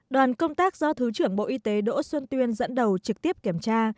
đoàn công tác do thứ trưởng bộ y tế đỗ xuân tuyên dẫn đầu trực tiếp kiểm tra